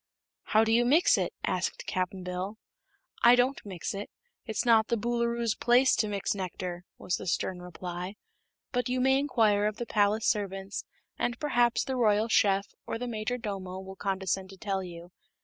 "How do you mix it?" asked Cap'n Bill. "I don't mix it; it's not the Boolooroo's place to mix nectar," was the stern reply. "But you may inquire of the palace servants and perhaps the Royal Chef or the Majordomo will condescend to tell you.